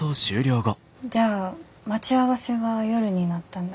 じゃあ待ち合わせは夜になったんだ。